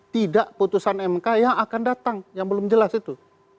tidak putusan mk yang akan datang yang belum jelas itu